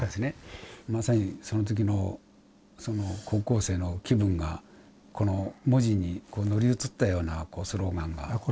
まさにその時のその高校生の気分がこの文字に乗り移ったようなスローガンが。